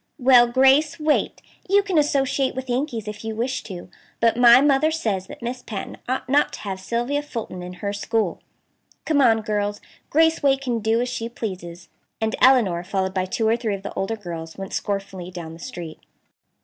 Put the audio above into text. "Well, Grace Waite, you can associate with Yankees if you wish to. But my mother says that Miss Patten ought not to have Sylvia Fulton in her school. Come on, girls; Grace Waite can do as she pleases," and Elinor, followed by two or three of the older girls, went scornfully down the street.